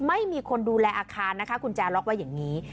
ไม่มีคนดูแลอาคารนะคะกุญแจล็อกไว้อย่างนี้